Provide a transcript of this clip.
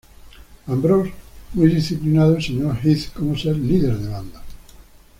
Ambrose, muy disciplinado, enseñó a Heath cómo ser líder de banda.